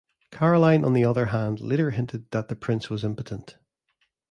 Caroline on the other hand later hinted that the Prince was impotent.